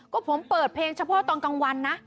ก็ผมเปิดเพลงเฉพาะตอนกลางวันนะ